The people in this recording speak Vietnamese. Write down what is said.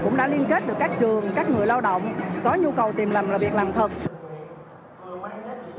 cũng đã liên kết được các trường các người lao động có nhu cầu tìm lầm là việc làm thật